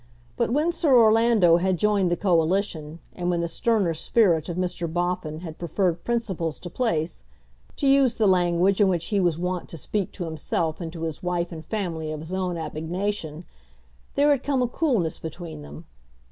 But when Sir Orlando had joined the Coalition, and when the sterner spirit of Mr. Boffin had preferred principles to place, to use the language in which he was wont to speak to himself and to his wife and family of his own abnegation, there had come a coolness between them.